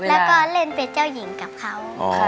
แล้วก็เล่นเป็นเจ้าหญิงกับเขา